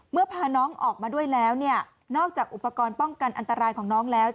พาน้องออกมาด้วยแล้วเนี่ยนอกจากอุปกรณ์ป้องกันอันตรายของน้องแล้ว